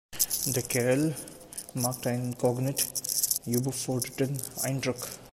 Der Kerl macht einen kognitiv überforderten Eindruck.